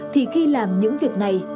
thì khi làm những việc này